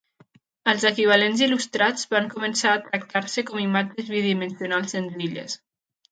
Els equivalents il·lustrats van començar a tractar-se com imatges bidimensionals senzilles.